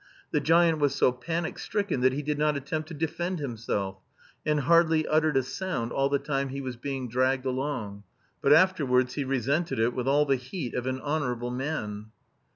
The giant was so panic stricken that he did not attempt to defend himself, and hardly uttered a sound all the time he was being dragged along. But afterwards he resented it with all the heat of an honourable man.